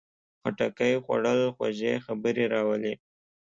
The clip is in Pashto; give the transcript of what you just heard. خټکی خوړل خوږې خبرې راولي.